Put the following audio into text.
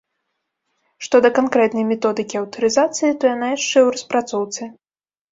Што да канкрэтнай методыкі аўтарызацыі, то яна яшчэ ў распрацоўцы.